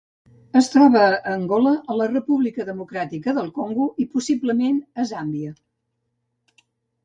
Es troba a Angola, a la República Democràtica del Congo i, possiblement, a Zàmbia.